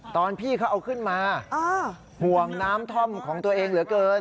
ตอนพี่เขาเอาขึ้นมาห่วงน้ำท่อมของตัวเองเหลือเกิน